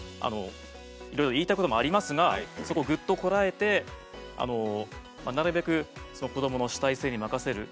いろいろ言いたいこともありますがそこをグッとこらえてなるべく子どもの主体性に任せる。